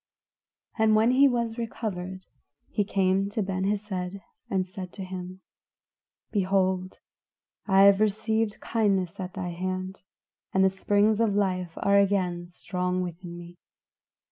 And when he was recovered, he came to Ben Hesed and said to him, "Behold, I have received kindness at thy hand, and the springs of life are again strong within me.